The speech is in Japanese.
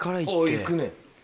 行くね。